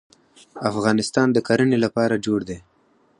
افغانستان د کرنې لپاره جوړ دی.